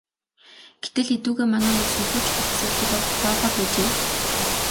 Гэтэл эдүгээ манай улс энэхүү чухал асуудлыг огт тоохоо байжээ.